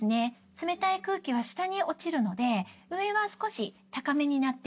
冷たい空気は下に落ちるので上は少し高めになっています。